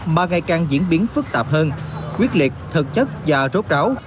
mà ngày càng diễn biến phức tạp hơn quyết liệt thực chất và rốt ráo